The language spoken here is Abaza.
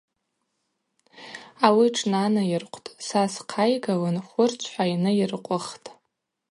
Ауи тшнанайыркъвтӏ, сас хъайгылын хвырчвхӏва йнайыркъвыхтӏ.